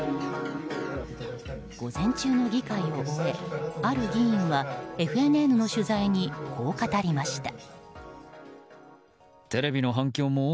午前中の議会を終えある議員はＦＮＮの取材にこう語りました。